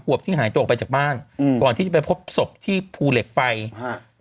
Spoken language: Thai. วบที่หายตัวออกไปจากบ้านอืมก่อนที่จะไปพบศพที่ภูเหล็กไฟฮะ